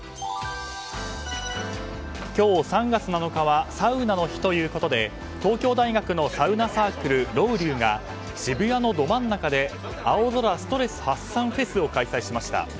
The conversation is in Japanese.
今日３月７日はサウナの日ということで東京大学のサウナサークルロウリュが渋谷のど真ん中で青空ストレス発散ｆｅｓを開催しました。